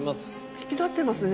引き立ってますね